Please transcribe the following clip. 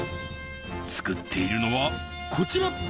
作っているのはこちら！